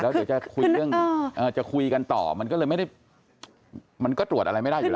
แล้วเดี๋ยวจะคุยกันต่อมันก็ตรวจอะไรไม่ได้อยู่แล้ว